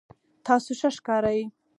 تاسو ښه ښکارئ